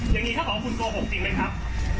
อย่างนี้ถ้าขอบคุณโกหกจริงไหมครับ